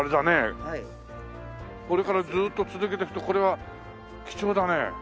これからずっと続けていくとこれは貴重だね。